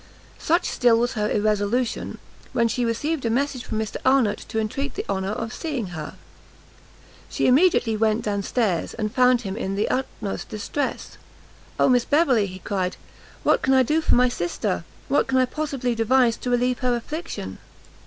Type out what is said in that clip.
Such still was her irresolution, when she received a message from Mr Arnott to entreat the honour of seeing her. She immediately went down stairs, and found him in the utmost distress, "O Miss Beverley," he cried, "what can I do for my sister! what can I possibly devise to relieve her affliction!"